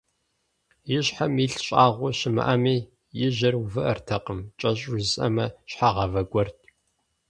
И щхьэм илъ щӀагъуэ щымыӀэми, и жьэр увыӀэртэкъым, кӀэщӀу жысӀэмэ, щхьэгъавэ гуэрт.